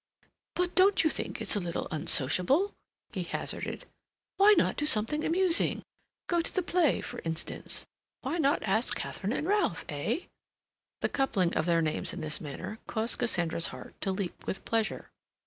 "But don't you think it's a little unsociable?" he hazarded. "Why not do something amusing?—go to the play, for instance? Why not ask Katharine and Ralph, eh?" The coupling of their names in this manner caused Cassandra's heart to leap with pleasure.